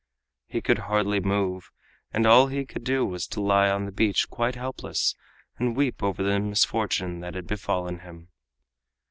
He could hardly move, and all he could do was to lie on the beach quite helpless and weep over the misfortune that had befallen him.